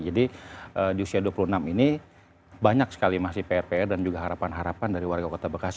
jadi di usia dua puluh enam ini banyak sekali masih prpr dan juga harapan harapan dari warga kota bekasi